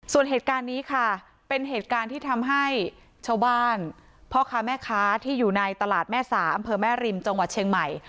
ส่วนเหตุการณ์นี้ค่ะเป็นเหตุการณ์ที่ทำให้ชาวบ้านพ่อค้าแม่ค้าที่อยู่ในตลาดแม่สาอำเภอแม่ริมจังหวัดเชียงใหม่